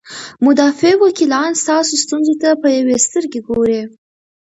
مدافع وکیلان ستاسو ستونزو ته په یوې سترګې ګوري.